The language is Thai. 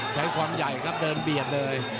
ใช้ความใหญ่ครับเดินเบียดเลย